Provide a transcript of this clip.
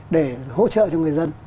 để hỗ trợ cho người dân